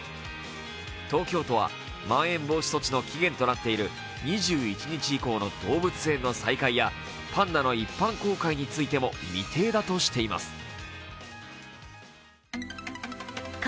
東京都はまん延防止措置の期限となっている２１日以降の動物園の再開やパンダの一般公開についても未定だとしています。